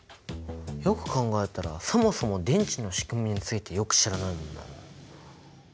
よく考えたらそもそも電池のしくみについてよく知らないもんな。